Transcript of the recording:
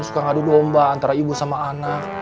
suka ngadu domba antara ibu sama anak